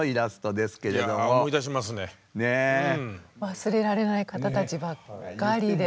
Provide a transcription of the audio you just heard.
忘れられない方たちばっかりで。